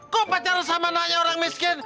kok pacaran sama anaknya orang miskin